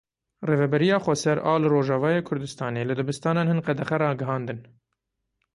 Rêveberiya Xweser a li Rojavayê Kurdistanê li dibistanan hin qedexe ragihandin.